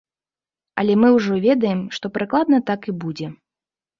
Але мы ўжо ведаем, што прыкладна так і будзе.